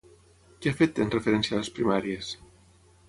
Què ha fet, en referència a les primàries?